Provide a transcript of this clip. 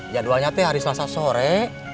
jadwalnya hari selasa sore